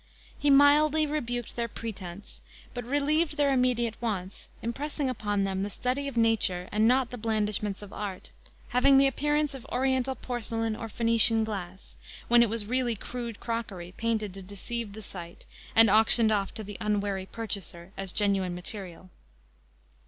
He mildly rebuked their pretense, but relieved their immediate wants, impressing upon them the study of Nature and not the blandishments of art, having the appearance of Oriental porcelain or Phoenician glass, when it was really crude crockery painted to deceive the sight and auctioned off to the unwary purchaser as genuine material.